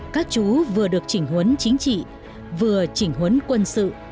các chú vừa được chỉnh huấn chính trị vừa chỉnh huấn quân sự